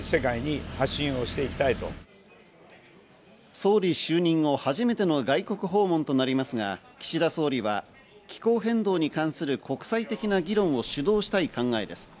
総理就任後、初めての外国訪問となりますが、岸田総理は気候変動に関する国際的な議論を主導したい考えです。